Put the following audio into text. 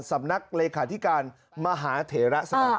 สำนักเลขาธิการมหาเถระสถาน